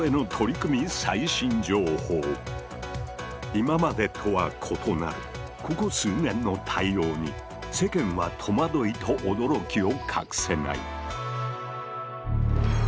今までとは異なるここ数年の対応に世間は戸惑いと驚きを隠せない。